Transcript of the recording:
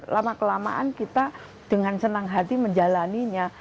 lama kelamaan kita dengan senang hati menjalannya